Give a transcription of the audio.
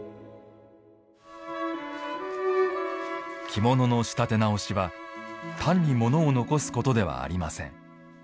着物の仕立て直しは単にものを残すことではありません。